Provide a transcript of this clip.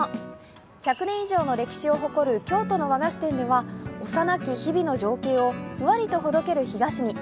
１００年以上の歴史を誇る京都の和菓子店では、幼き日々の情景をふわりとほどける日ざしに。